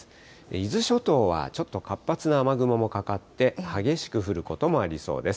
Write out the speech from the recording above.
伊豆諸島はちょっと活発な雨雲もかかって、激しく降ることもありそうです。